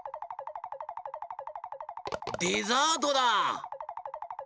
デザートだ！